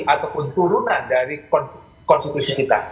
ataupun turunan dari konstitusi kita